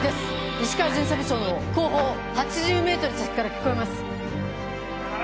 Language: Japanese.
石川巡査部長の後方８０ｍ先から聞こえます。